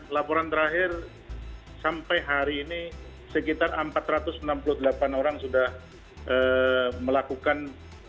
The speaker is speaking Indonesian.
laporan terakhir sampai hari ini sekitar empat ratus enam puluh delapan orang sudah melakukan